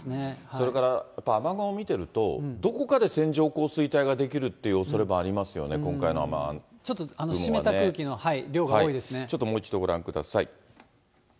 それからやっぱり雨雲を見ていると、どこかで線状降水帯が出来るっていうおそれもありますよね、今回ちょっと湿った空気の量が多ちょっともう一度ご覧くださ